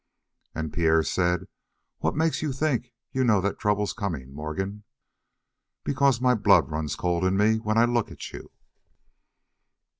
And Pierre said: "What makes you think you know that trouble's coming, Morgan?" "Because my blood runs cold in me when I look at you."